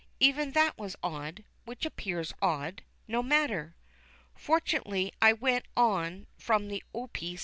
Even that was odd, which appears odd no matter. Fortunately I went on from the O.P.